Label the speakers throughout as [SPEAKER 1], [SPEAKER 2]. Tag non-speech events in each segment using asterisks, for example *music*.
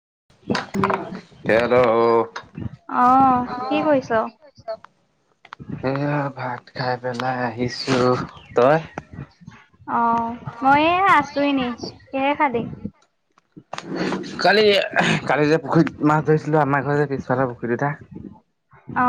[SPEAKER 1] *unintelligible*
[SPEAKER 2] অহ কি কৈৰিছ?
[SPEAKER 1] এইয়া ভাত খাই পেলাই আহিছো, তই?
[SPEAKER 2] অ মইয়ে আছো এনে, কিহে খালি?
[SPEAKER 1] কালি কালি যে পুখুৰীত মাছ ধৰিছিলো আমাৰ ঘৰ যে পিছফালৰ পুখুৰী দুতটা
[SPEAKER 2] অ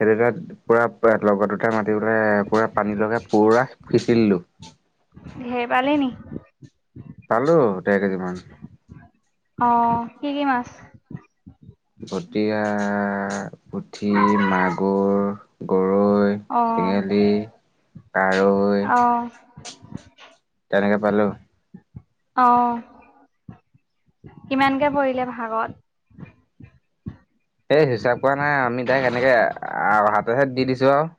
[SPEAKER 1] সেইটো পুৰা লগৰ দুটা মাতি পেলে পুৰা পানী লগাই পুৰা সিঁচি দিলো।
[SPEAKER 2] ঢেৰ পালি নি?
[SPEAKER 1] চালো দেৰ কেজি মান
[SPEAKER 2] অঁ কি কি মাছ!
[SPEAKER 1] বটিয়া পুঠি মাগুৰ গৰু *unintelligible*
[SPEAKER 2] অঁ
[SPEAKER 1] কাৰৈ। তেনেকে পালো।
[SPEAKER 2] আহঁ কিমানকে পৰিলে ভাগত
[SPEAKER 1] সেই হিচাপ কৰা নাই আমি তাইক এনেকে হাতে হে দি দিছো আৰু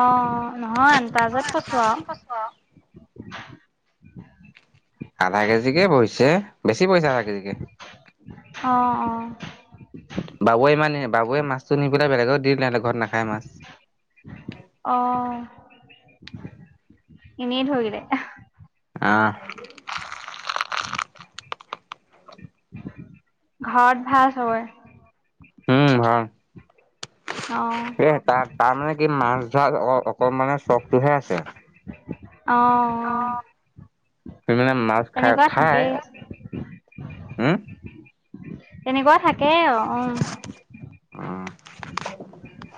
[SPEAKER 2] অঁ নহয় তাজত কৈছো আৰু
[SPEAKER 1] আধা কেজিকে পৰিছে বেছি পৰিছে আধা কেজিতকে
[SPEAKER 2] অঁ অঁ
[SPEAKER 1] বাবুৱে ইমান নি বাবুৱে মাছটো নি পেলাই বেলেগত দি দিলে সিহঁত ঘৰত নাখায় মাছ।
[SPEAKER 2] অ', এনেই ধৰিলে
[SPEAKER 1] আহঁ
[SPEAKER 2] ঘৰত ভাল চবৰে?
[SPEAKER 1] উম ভাল
[SPEAKER 2] অ',
[SPEAKER 1] এ তাৰ তাৰমানানে কি মাছ ধৰ অঁ অকমানানে চখটোহে আছে
[SPEAKER 2] অঁ
[SPEAKER 1] সি মানে মাছ খাই খাই
[SPEAKER 2] তেনেকুৱা থাকেই
[SPEAKER 1] উম
[SPEAKER 2] তেনেকুৱা থাকেই আৰু উ
[SPEAKER 1] উম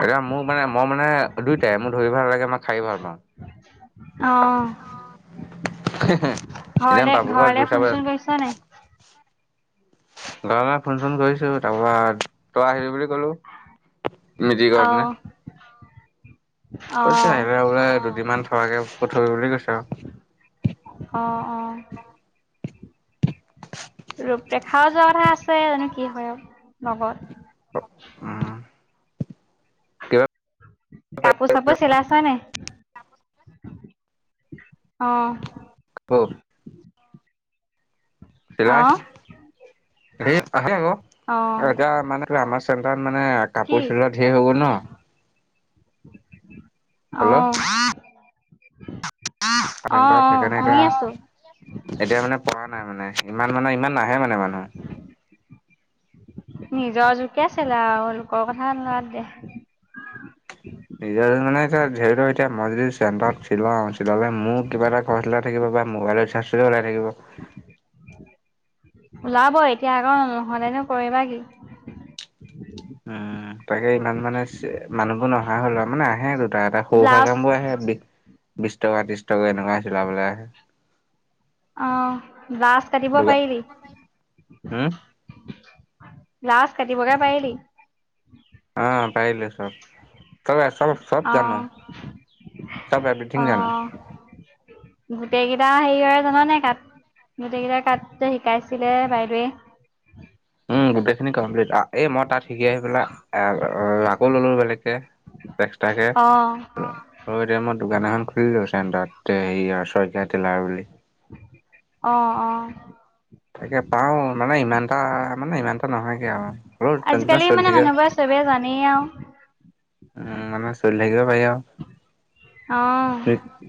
[SPEAKER 1] এতিয়া মোৰ মানে মই মানে দুইটাই মোৰ ধৰি ভাল লাগে মই খাই ভাল পাওঁ
[SPEAKER 2] অ',
[SPEAKER 1] সদি
[SPEAKER 2] ঘৰলে
[SPEAKER 1] বাবুকৰ
[SPEAKER 2] ঘৰলে
[SPEAKER 1] জোচাব
[SPEAKER 2] ফোন চোন কৰিছ
[SPEAKER 1] *unintelligible*
[SPEAKER 2] নাই?
[SPEAKER 1] ঘৰা নে ফোন চোন কৰিছো তাৰপা তই আহিলি বুলি মিতি কৰ নে
[SPEAKER 2] অ',
[SPEAKER 1] কৈছে
[SPEAKER 2] অ'।
[SPEAKER 1] আহিলে বোলে দুদিনমান থকাকে প থাব বুলি কৈছ আৰু
[SPEAKER 2] অঁ ৰূপ ৰেখাওঁ যোৱা কথা আছে জানো কি হয় লগত
[SPEAKER 1] উম কিবা
[SPEAKER 2] কাপোৰ চাপোৰ চিলাই হয় নাই অঁ
[SPEAKER 1] চিলাই
[SPEAKER 2] অ',
[SPEAKER 1] *unintelligible*
[SPEAKER 2] অ',
[SPEAKER 1] এতিয়া মানে আমাৰ চেণ্টাৰ *unintelligible* মানে কাপোৰ চিলোৱা ঢেৰ হৈ গ'ল ন অলপ
[SPEAKER 2] অঁ
[SPEAKER 1] স সেইকাৰণে এতিয়া এতিয়া মানে প নাই মানে ইমান মানে ইমান নাহে মানে মানে
[SPEAKER 2] উ নিজৰ জোকে আছিল আৰু লোকৰ কথা লৰা দে
[SPEAKER 1] নিজৰ মানে এতিয়া ধৰিত এতিয়া মছ চণ্টাৰত মোৰ কিবা এটা কছিলে *unintelligible* থিকিব পাৰিম মোবাইলৰ ৰিচাৰ্ছ ওলাই থাকিব
[SPEAKER 2] ওলাব এতিয়া আকৌ নহলেনো কৰিবা কি
[SPEAKER 1] উম তাকে ইমান মানে মানুহবোৰ নহা হল আৰু মানে আহে দুটা এটা সৰু সুৰা
[SPEAKER 2] ব্লাউজ
[SPEAKER 1] কামবোৰ আহে বিশ টকা ত্ৰিশ টকা এনেকুৱা হৈছিল বোলে আহে
[SPEAKER 2] আহ লছ কাটিব
[SPEAKER 1] দোকান
[SPEAKER 2] পাৰিবি
[SPEAKER 1] উম
[SPEAKER 2] *unintelligible* লাষ্ট কাটি বগে পাৰিলি *unintelligible*
[SPEAKER 1] অঁ পাৰিলো চব *unintelligible* তব চব চব জানো
[SPEAKER 2] অ',
[SPEAKER 1] চব এভিথিং জানো
[SPEAKER 2] গোটেই কেইটা হেৰি হয় জান নাই তাত গোটেই কেইটাৰ কাত শিকাইছিলে বাইদেৱে
[SPEAKER 1] এ মই তাত শিকি আহি পেলাই আকৌ ললো বেলেগকে এক্সট্টাকে
[SPEAKER 2] অ'।
[SPEAKER 1] আকৌ এতিয়া মই। *unintelligible* দোকান এখন খুলিলো চেণ্টাৰতে হেৰি অ শইকীয়া টেলাৰ বুলি।
[SPEAKER 2] অ অ।
[SPEAKER 1] তাকে পাও মানে ইমানটা মানে ইমানটা নহয়গে আৱ। হলো যেন তেনে
[SPEAKER 2] আজিকালি
[SPEAKER 1] চলি
[SPEAKER 2] মানে
[SPEAKER 1] থাকে।
[SPEAKER 2] মানুহবোৰে চবেই জানেই আও।
[SPEAKER 1] উম মানে চলি থাকিব হয় অ।
[SPEAKER 2] অ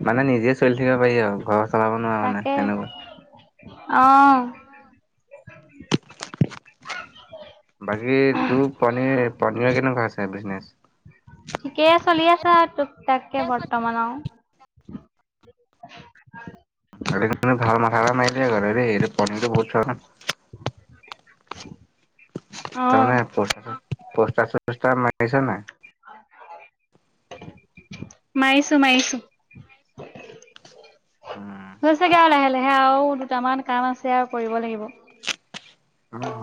[SPEAKER 1] মানে নিজে চলি থাকিব পাৰি আউ। ঘৰত চলাব নোৱাৰা মানে সেনেকুৱা
[SPEAKER 2] আহ।
[SPEAKER 1] বাকী তোৰ পনীৰ পনীৰ কেনেকুৱা আছে বিজনেচ
[SPEAKER 2] ঠিকেই চলি আছে আৰু টোকটাককে বৰ্তমানও আৰু *unintelligible* *inaudible*
[SPEAKER 1] ৰাতিটো ভাল মাথা এটা মাৰিলি এইটো দেই পনিৰটো *unintelligible*
[SPEAKER 2] অ
[SPEAKER 1] তামানে পষ্টাখন পষ্টাৰ চচষ্টাৰ মাৰিছে নাই। *unintelligible*
[SPEAKER 2] মাইছো মাইছো।
[SPEAKER 1] উম,
[SPEAKER 2] হৈছোগে আউ লাহে লাহে আউ দুটামান কাম আছে আউ কৰিব লাগিব। *unintelligible*
[SPEAKER 1] উম হ।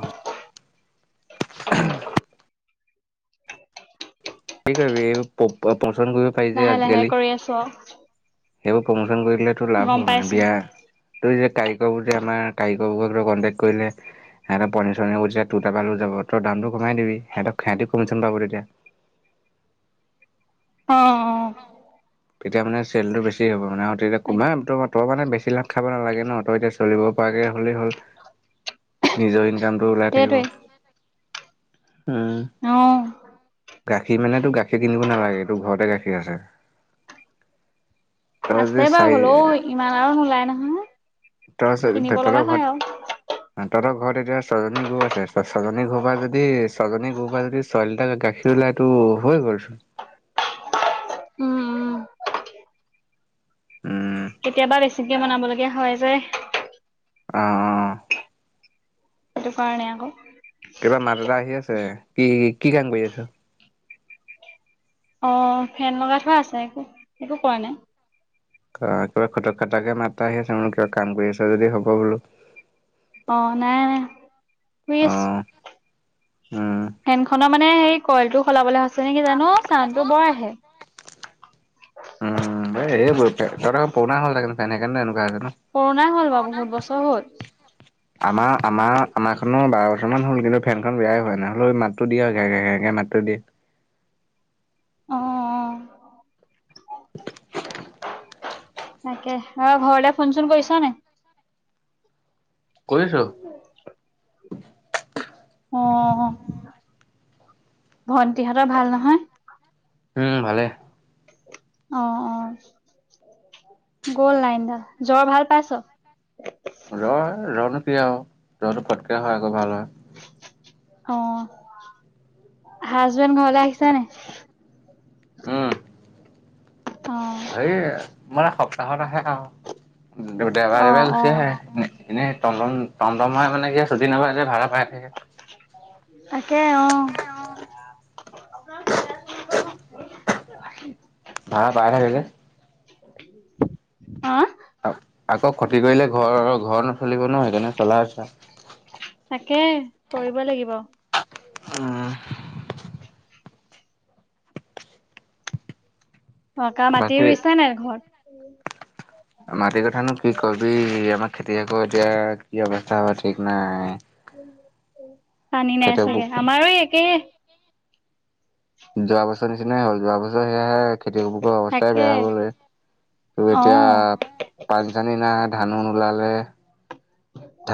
[SPEAKER 1] কি কৰিবি প প পছন্দ কৰিব পাৰি যে
[SPEAKER 2] লাহে লাহে
[SPEAKER 1] আজিকালি।
[SPEAKER 2] কৰি আছো আৰু
[SPEAKER 1] সেইবোৰ প্ৰমোচন কৰি দিলে তোৰ লাভ
[SPEAKER 2] গম
[SPEAKER 1] হব মানে।
[SPEAKER 2] পাইছো
[SPEAKER 1] বিয়া ত যে কাৰিকৰবোৰ যে আমাৰ কাৰিকৰবুৰক কণ্টেক্ট কৰিলে *unintelligible* সিহঁত পনীৰ চনীৰ হুদিছে তু টাপা লৈ যাব তই দামটো কমাই দিবি। সিহঁতক সিহঁতি কমিচন পাব তেতিয়া।
[SPEAKER 2] অ অ।
[SPEAKER 1] তেতিয়া মানে চেলটো বেছি হব মানে আৰু তেতিয়া *unintelligible* তই মানে বেছি লাভ খাব নালাগে ন তই এতিয়া চলিব পোৱাকে হ'লেই হ'ল। নিজৰ ইনকামটো ওলাই থাকিব।
[SPEAKER 2] সেইটোৱে
[SPEAKER 1] উম
[SPEAKER 2] অ।
[SPEAKER 1] গাখীৰ মানে তো গাখীৰ কিনিব নালাগে। তো ঘৰতে গাখীৰ আছে। তই
[SPEAKER 2] আছে
[SPEAKER 1] যদি
[SPEAKER 2] বাউ
[SPEAKER 1] চাৰি
[SPEAKER 2] হলৌ ইমান আৰু নোলাই নহয়।
[SPEAKER 1] তৰত
[SPEAKER 2] কিনিব
[SPEAKER 1] তহঁতৰ
[SPEAKER 2] লগা হয়
[SPEAKER 1] ঘৰত
[SPEAKER 2] আৰু
[SPEAKER 1] তহঁতৰ ঘ *unintelligible* ঘৰত এতিয়া ছজনী গৰু আছে। ছজনী গৰু পৰা যদি ছজনী গৰু পৰা যদি চই লিটাৰ কে গাখীৰ ওলাই টো অ হৈ গলচোন।
[SPEAKER 2] উম। উম
[SPEAKER 1] উম।
[SPEAKER 2] পিকে বনাব লগীয়া হয় যে। *unintelligible*
[SPEAKER 1] অঁ অঁ।
[SPEAKER 2] সেটো কাৰণে আকো।
[SPEAKER 1] কিবা মা দেতা আহি আছে। কি কি কাম কৰি আছ?
[SPEAKER 2] অ ফেন লগাই থোৱা আছে। একো একো কৰা নাই।
[SPEAKER 1] অ কিবা খটক খটাককে মাতটা আহি আছে ম কিবা কাম কৰি আছা যদি হ'ব বোলো।
[SPEAKER 2] অ নাই নাই শুই
[SPEAKER 1] অ
[SPEAKER 2] আছো।
[SPEAKER 1] উম
[SPEAKER 2] ফেনখনৰ মানে সেই কইলটো সলাবলে আছে নেকি জানো ছাউণ্ডটো বৰ আহে।
[SPEAKER 1] এ এই ব তহতৰ পুৰণা হল চাগে সেইকানে এনেকুৱা
[SPEAKER 2] কৰোণাই হ'ল বাৰু বহুত বছৰ হ'ল
[SPEAKER 1] আমাৰ আমাৰ আমাৰ খন বাৰ বছমান হ'ল কিন্তু ফেনখন বেয়াই হোৱা নাই হলৌ মাতটো দিয়ে গেৰ গেৰ গেৰকে মাতটো দিয়ে।
[SPEAKER 2] অ অ। তাকে অ ঘৰলে ফোন চোন কৰিছ নাই?
[SPEAKER 1] কৰিছো
[SPEAKER 2] অ ভন্টিহঁতৰ ভাল নহয়?
[SPEAKER 1] উম ভালে।
[SPEAKER 2] অ অ গ'ল লাইনডাল। জ্বৰ ভাল পাইছ?
[SPEAKER 1] ৰ জৰনো কি আৰু জৰটো পটকে হয় আকৌ ভাল হয়। *unintelligible*
[SPEAKER 2] অঁ হাজবেণ্ড ঘৰলে আহিছা নে?
[SPEAKER 1] উম।
[SPEAKER 2] অ',
[SPEAKER 1] হেই মানে সপ্তাহত আহে আও দেওবাৰে দেওবাৰে
[SPEAKER 2] অ',
[SPEAKER 1] গুচি
[SPEAKER 2] অ',
[SPEAKER 1] আহে এনেই টমটম টমটম হয় মানে কি চুটি নাপায় যে ভাড়া পায়।
[SPEAKER 2] তাকে অঁ। *unintelligible*
[SPEAKER 1] ভাড়া পাই থাকে যে।
[SPEAKER 2] হঁ?
[SPEAKER 1] আকৌ ক্ষতি কৰিলে ঘৰ ঘৰ নচলিব নহয় সেইকাৰণে চলাই আছে।
[SPEAKER 2] তাকে কৰিব লাগিব।
[SPEAKER 1] উম।
[SPEAKER 2] *unintelligible* পৰা মাটি
[SPEAKER 1] বাকী
[SPEAKER 2] ৰুইছে নাই ঘৰত।
[SPEAKER 1] মাটিৰ কথানো কি কবি আমাৰ খেতিয়কৰো এতিয়া কি অৱস্থা হয় ঠিক নাই।
[SPEAKER 2] পানী নাই চাগে
[SPEAKER 1] খেতিয়কবোৰ
[SPEAKER 2] আমাৰো একেই।
[SPEAKER 1] যোৱা বছৰ নিচিনাই হ'ল যোৱা বছৰ সেয়াহে খেতি কৰিব গৈ অৱস্থায়
[SPEAKER 2] তাকে
[SPEAKER 1] বেয়া হৈ গ'ল ৰে। ত
[SPEAKER 2] অ
[SPEAKER 1] এতিয়া পানী চানী নাই ধানো নোলালে।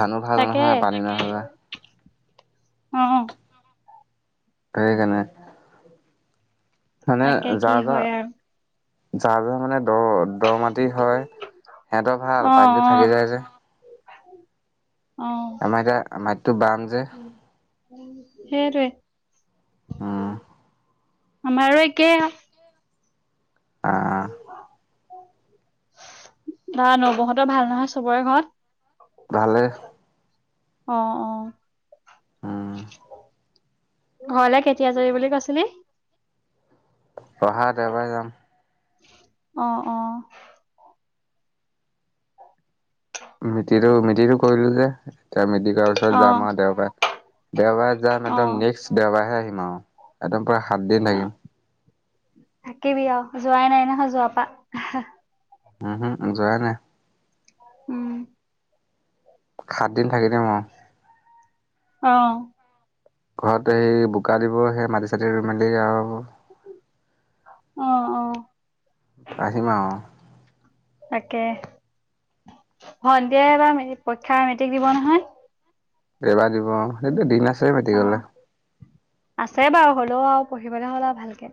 [SPEAKER 1] ধানো ভাল নহয় পানী নহলে।
[SPEAKER 2] অঁ।
[SPEAKER 1] সেইকানে। মানে
[SPEAKER 2] তাকে কি
[SPEAKER 1] যাৰ
[SPEAKER 2] হয়
[SPEAKER 1] যাৰ,
[SPEAKER 2] আৰু
[SPEAKER 1] যাৰ যাৰ মানে- দ দ মাটি হয় সিহঁতৰ ভাল
[SPEAKER 2] অ
[SPEAKER 1] পানীতো
[SPEAKER 2] অ
[SPEAKER 1] থাকি যায় যে।
[SPEAKER 2] অঁ
[SPEAKER 1] আমাৰ এতিয়া মাটিটো বাম যে
[SPEAKER 2] সেইটোৱেই।
[SPEAKER 1] উম
[SPEAKER 2] আমাৰো একেই আৰু।
[SPEAKER 1] অ
[SPEAKER 2] *unintelligible* নবৌ হতৰ ভাল নহয় চবৰে ঘৰত।
[SPEAKER 1] ভালে।
[SPEAKER 2] অঁ অঁ।
[SPEAKER 1] উম
[SPEAKER 2] ঘলে কেতিয়া যাবি বুলি কৈছিলি?
[SPEAKER 1] অহা দেওবাৰে যাম।
[SPEAKER 2] অঁ অঁ।
[SPEAKER 1] মিতিটো মিতিটো কৰিলো যে। এতিয়া মেডি কৰা পাছত
[SPEAKER 2] অ
[SPEAKER 1] যাম আৰু দেওবাৰে। দেওবাৰে যাম
[SPEAKER 2] অ
[SPEAKER 1] একদম নেক্সট দেওবাৰেহে আহিম। ন একদম পোৰা সাত দিন থাকিম।
[SPEAKER 2] থাকিবি আৰু যোৱাই নাই নহয় যোৱা পা।
[SPEAKER 1] উম হুম যোৱাই নাই।
[SPEAKER 2] উম।
[SPEAKER 1] সাতদিন থাকি দিম আও।
[SPEAKER 2] অঁ।
[SPEAKER 1] ঘৰত সেই বোকা দিব সেই মাটি চাটি ৰুই মেলি আৰু-
[SPEAKER 2] অঁ।
[SPEAKER 1] আহিম আৰু।
[SPEAKER 2] তাকে সন্ধিয়াই এইবাৰ মেট্ৰিক পৰীক্ষা মেট্ৰিক দিব নহয়।
[SPEAKER 1] দেওবাৰে দিব অ সেইটো দিন আছে
[SPEAKER 2] অ
[SPEAKER 1] মেট্ৰিক দে।
[SPEAKER 2] আছে বাৰু হ'লেও আৰু পঢ়িবলৈ হ'ল আৰু ভালকে।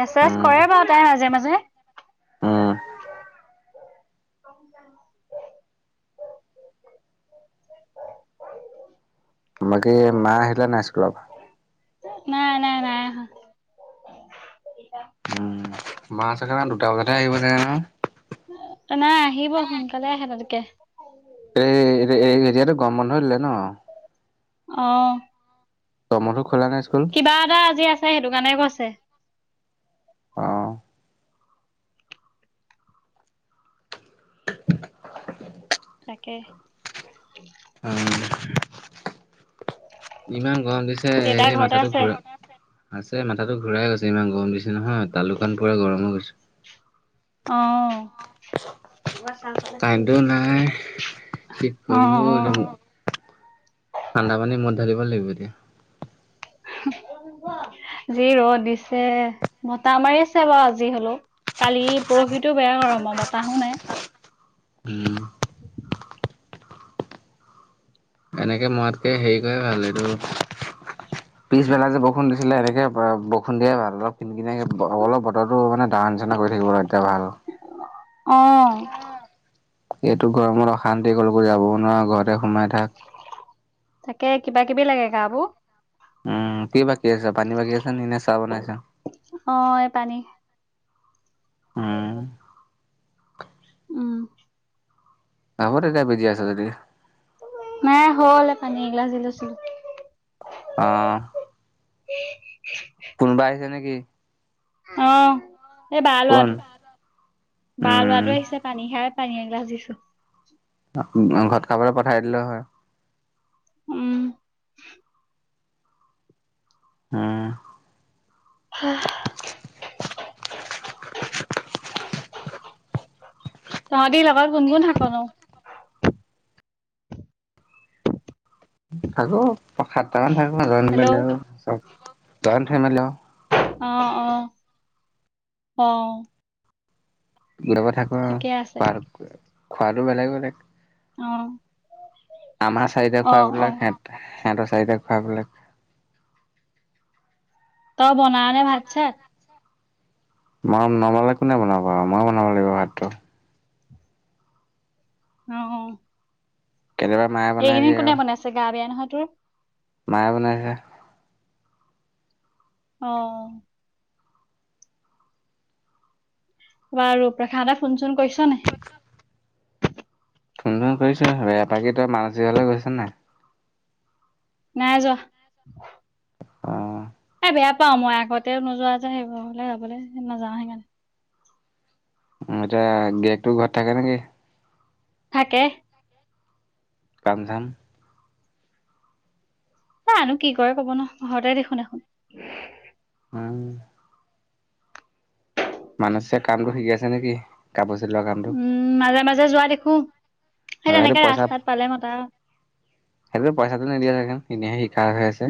[SPEAKER 2] মেছেজ
[SPEAKER 1] উম
[SPEAKER 2] কৰে বাৰু তাই মাজে মাজে।
[SPEAKER 1] উম
[SPEAKER 2] *unintelligible* *unintelligible*
[SPEAKER 1] মাকি মা আহিলে নাই স্কুলৰ পৰা?
[SPEAKER 2] নাই নাই নাই অহা।
[SPEAKER 1] উম মা চাগে না দুটা বজাতহে আহিব চাগে নহয়
[SPEAKER 2] নাই আহিব সোনকালে আহে তালে। কে।
[SPEAKER 1] এই, এই এতিয়া তো গৰম বন্ধ দিলে ন?
[SPEAKER 2] আহ।
[SPEAKER 1] গৰম বন্ধ ত *unintelligible*
[SPEAKER 2] কিবা এটা আজি আছে সেইটো কাৰণে কৈছে।
[SPEAKER 1] আহ। *inaudible*
[SPEAKER 2] তাকে।
[SPEAKER 1] উম। ইমান গৰম দিছে
[SPEAKER 2] দেউতা
[SPEAKER 1] এই
[SPEAKER 2] ঘৰতে
[SPEAKER 1] মাথাটো
[SPEAKER 2] আছে
[SPEAKER 1] ঘূৰা আছে মাথাটো। ঘূৰাই গৈছে ইমান গৰম দিছে নহয়, তালুকান পোৰা গৰম হৈ গৈছে।
[SPEAKER 2] অ
[SPEAKER 1] *inaudible* *unintelligible* কাৰেন্ট তো নাই, কি কৰিম অ ঠাণ্ডা পানী মূৰত ঢালিব লাগিব এতিয়া।
[SPEAKER 2] যি ৰদ দিছে বতাহ মাৰি আছে বাৰু আজি হলেও। কালি পৰহিটো বেয়া গৰম আৰু বতাহো নাই।
[SPEAKER 1] উম। এনেকে মৰাতকৈ হেৰি কৰে ভাল এইটো পিছবেলা যে বৰষুন দিছিলে, এনেকে দিছিলে দিয়া ভাল। অলপ কিনি কিনে অলপ বতৰো মানে তাৰ নিচিনা কৰি থাকিব ৰ এতিয়া ভাল।
[SPEAKER 2] অ।
[SPEAKER 1] এইটো গৰমত অশান্তি কৰবাত যাবও নোৱাৰো ঘৰতে সোমাই থাক।
[SPEAKER 2] কিবা-কিবি লাগে গা বোৰ।
[SPEAKER 1] উম, কি বাকী আছে, পানী বাকী আছে নি, নেক ছাহ বনাইছ?
[SPEAKER 2] অ, এই পানী
[SPEAKER 1] উম
[SPEAKER 2] উহ *unintelligible* উম।
[SPEAKER 1] হব দে এতিয়া বিজি আছ যদি। *unintelligible*
[SPEAKER 2] নাই হল পানী এগিলাছ দি লৈছিলো।
[SPEAKER 1] আহ।
[SPEAKER 2] উম।
[SPEAKER 1] কোনোবা আহিছে নেকি?
[SPEAKER 2] অ, এই বা
[SPEAKER 1] কোন
[SPEAKER 2] লৰাটো, বাই
[SPEAKER 1] উম
[SPEAKER 2] লৰাটো আহিছে পানী খাই পানী দিছো।
[SPEAKER 1] ঘৰত খাবলৈ পঠাই দিলে হয়।
[SPEAKER 2] উম।
[SPEAKER 1] হম।
[SPEAKER 2] হাহ *unintelligible* তহঁতি লগত কোন কোন থাক নো?
[SPEAKER 1] থাকো সাতটামান থাকো। জৈন
[SPEAKER 2] হেল্ল' অ
[SPEAKER 1] ফেমিলী, জৈন ফেমিলী
[SPEAKER 2] অ, অ, অ।
[SPEAKER 1] তেনেকে থাকোঁ
[SPEAKER 2] ঠিকে আছে
[SPEAKER 1] আৰু খোৱা-খোৱাটো বেলেগ বেলেগ।
[SPEAKER 2] অ।
[SPEAKER 1] আমাৰ চাৰিতা
[SPEAKER 2] অ
[SPEAKER 1] খোৱা
[SPEAKER 2] অ
[SPEAKER 1] বেলেগ। সিহঁতে সিহঁতৰ চাৰিটা খোৱা বেলেগ।
[SPEAKER 2] তই বনাওঁনে ভাত-চাত?
[SPEAKER 1] মই নবনালে কোনে বনাব আৰু মই বনাব লাগিব ভাতটো।
[SPEAKER 2] আহ।
[SPEAKER 1] কেতিয়াবা মায়ে বনাই
[SPEAKER 2] এইকেইদিন
[SPEAKER 1] দিয়ে
[SPEAKER 2] কোনে
[SPEAKER 1] আৰু।
[SPEAKER 2] বনাইছে, গা বেয়া নহয় তোৰ?
[SPEAKER 1] মায়ে বনাইছে।
[SPEAKER 2] অহ। বাৰ ৰূপৰেখা হতে ফোন চুন কৰিছ নাই?
[SPEAKER 1] ফোন ফোন কৰিছো। বেয়া বাকী তই মানচী হঁতৰ ঘৰলে গৈছ নাই?
[SPEAKER 2] নাই যোৱা।
[SPEAKER 1] অ।
[SPEAKER 2] এ বেয়া পাও, মই আগতেও নোযোৱা যে সেইবোৰ হলে যাবলৈ নাযাওঁ সেইকাৰণে।
[SPEAKER 1] এতিয়া গিৰিয়েকটো ঘৰত থাকে নেকি?
[SPEAKER 2] থাকে।
[SPEAKER 1] কাম ঝাম?
[SPEAKER 2] ত আমি কি কয় কব নোৱাৰো, ঘৰতে দেখো দেখোন।
[SPEAKER 1] উম। মানসে কামটো শিকি আছে নেকি কাপোৰ চিলোৱা কামটো?
[SPEAKER 2] উম মাজে মাজে যোৱা দেখো।
[SPEAKER 1] অ
[SPEAKER 2] সেই
[SPEAKER 1] সেইটো
[SPEAKER 2] তেনেকে
[SPEAKER 1] পইচা
[SPEAKER 2] ৰাস্তাত পালে মতা
[SPEAKER 1] সেইটো পইচাটো নিদিয়া থন এনেহে শিকা হৈ আছে। *unintelligible*